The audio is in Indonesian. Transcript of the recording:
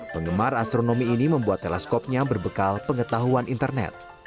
penggemar astronomi ini membuat teleskopnya berbekal pengetahuan internet